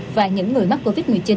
và những người mắc covid một mươi chín